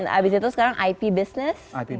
habis itu sekarang ip business